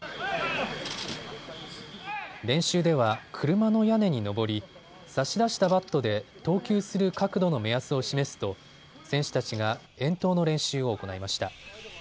練習では車の屋根に登り差し出したバットで投球する角度の目安を示すと選手たちが遠投の練習を行いました。